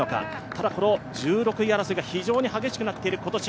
ただ、１６位争いが非常に激しくなっている今年。